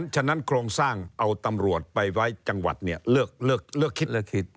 ฉะนั้นโครงสร้างเอาตำรวจไปไว้จังหวัดเนี่ยเลือกคิดเลือกคิด